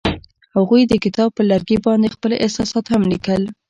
هغوی د کتاب پر لرګي باندې خپل احساسات هم لیکل.